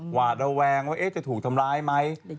หวาดระแวงว่าจะถูกทำร้ายไหม